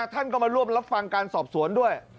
ท่านก็มาร่วมรับฟังการสอบสวนด้วย